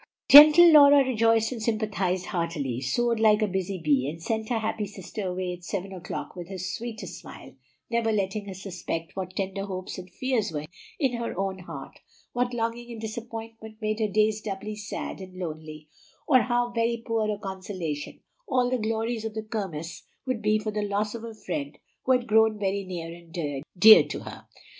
Gentle Laura rejoiced and sympathized heartily, sewed like a busy bee, and sent her happy sister away at seven o'clock with her sweetest smile, never letting her suspect what tender hopes and fears were hidden in her own heart, what longing and disappointment made her days doubly sad and lonely, or how very poor a consolation all the glories of the Kirmess would be for the loss of a friend who had grown very near and dear to her.